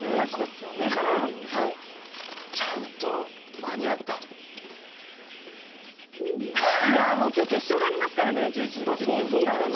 で、ここからちゃんと間に合った今日、決勝がありますからね１１時５０分から。